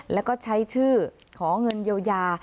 แล้วก็ใช้ชื่อขอเงินเยียวยา